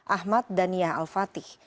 ahmad dania al fatih